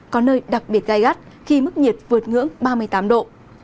có nơi đặc biệt gai gắt khi mức nhiệt vượt ngưỡng ba mươi tám độ